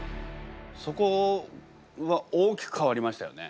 そこは大きく変わりましたよね。